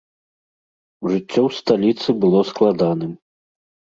Жыццё ў сталіцы было складаным.